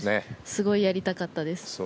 すごいやりたかったです。